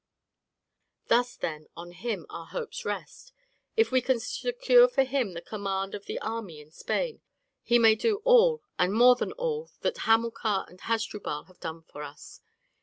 "Thus, then, on him our hopes rest. If we can secure for him the command of the army in Spain, he may do all and more than all that Hamilcar and Hasdrubal have done for us.